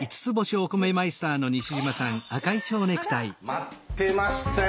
待ってましたよ。